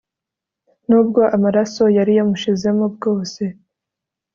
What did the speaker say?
n'ubwo amaraso yari yamushizemo bwose